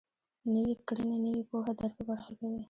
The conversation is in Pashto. نويې کړنې نوې پوهه در په برخه کوي.